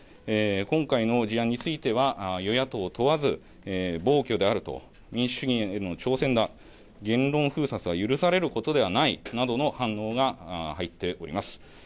今回の事案については与野党問わず暴挙であると民主主義への挑戦だ言論封殺は許されることではないなどの反論が入っております。